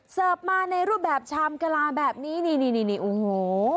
เสิร์ฟมาในรูปแบบชามกะลาแบบนี้นี่นี่นี่นี่โอ้โห